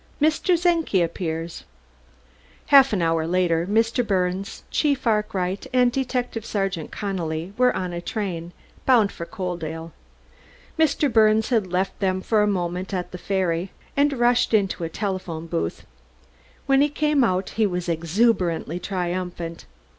CZENKI APPEARS Half an hour later Mr. Birnes, Chief Arkwright and Detective Sergeant Connelly were on a train, bound for Coaldale. Mr. Birnes had left them for a moment at the ferry and rushed into a telephone booth. When he came out he was exuberantly triumphant.